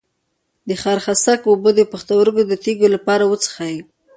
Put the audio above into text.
د خارخاسک اوبه د پښتورګو د تیږې لپاره وڅښئ